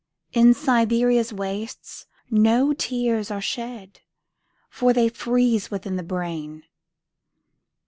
In Siberia's wastesNo tears are shed, For they freeze within the brain.